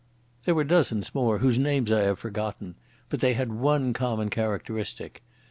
There were dozens more whose names I have forgotten, but they had one common characteristic.